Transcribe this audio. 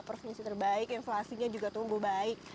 provinsi terbaik inflasinya juga tumbuh baik